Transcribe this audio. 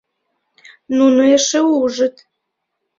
Нуно эше ужыт...